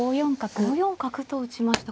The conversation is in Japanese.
５四角と打ちました。